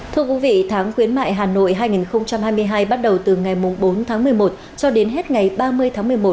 thưa quý vị tháng khuyến mại hà nội hai nghìn hai mươi hai bắt đầu từ ngày bốn tháng một mươi một cho đến hết ngày ba mươi tháng một mươi một